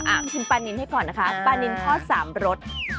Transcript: ชิมปลานินให้ก่อนนะคะปลานินทอดสามรส